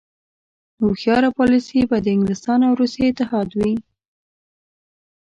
نو هوښیاره پالیسي به د انګلستان او روسیې اتحاد وي.